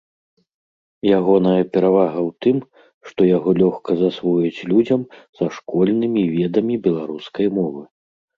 Ягоная перавага ў тым, што яго лёгка засвоіць людзям са школьнымі ведамі беларускай мовы.